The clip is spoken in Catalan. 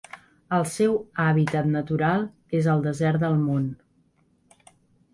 El seu hàbitat natural és el Desert del Mont.